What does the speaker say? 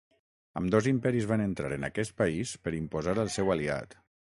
Ambdós imperis van entrar en aquest país per imposar el seu aliat.